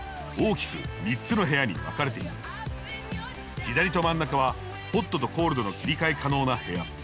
左と真ん中はＨＯＴとＣＯＬＤの切り替え可能な部屋。